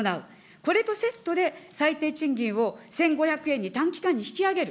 これとセットで、最低賃金を１５００円に短期間に引き上げる。